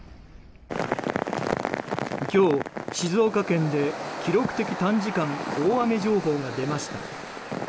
今日、静岡県で記録的短時間大雨情報が出ました。